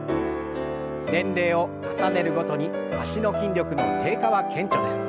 年齢を重ねるごとに脚の筋力の低下は顕著です。